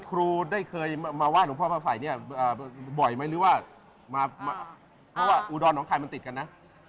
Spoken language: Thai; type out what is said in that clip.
ครูได้เคยมาไหว้หลวงพ่อพระไผ่เนี่ยบ่อยไหมหรือว่ามาเพราะว่าอุดรน้องไข่มันติดกันนะ